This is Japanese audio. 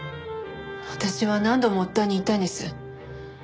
私は何度も夫に言ったんです。